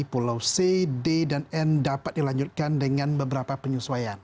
pulau c d dan n dapat dilanjutkan dengan beberapa penyesuaian